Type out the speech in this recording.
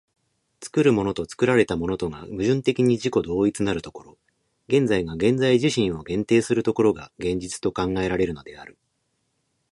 作るものと作られたものとが矛盾的に自己同一なる所、現在が現在自身を限定する所が、現実と考えられるのである。